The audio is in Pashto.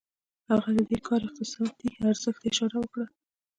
هغه د دې کار اقتصادي ارزښت ته اشاره وکړه